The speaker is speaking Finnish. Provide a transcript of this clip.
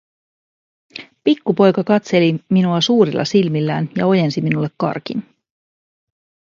Pikku poika katseli minua suurilla silmillään ja ojensi minulle karkin.